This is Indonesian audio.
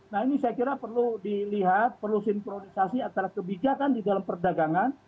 nah ini saya kira perlu dilihat perlu sinkronisasi antara kebijakan di dalam perdagangan